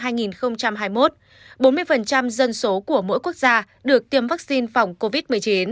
bốn mươi dân số của mỗi quốc gia được tiêm vaccine phòng covid một mươi chín